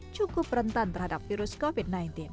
cukup rentan terhadap virus covid sembilan belas